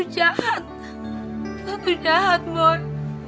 jahat kamu jahat boy